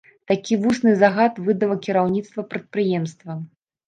Такі вусны загад выдала кіраўніцтва прадпрыемства.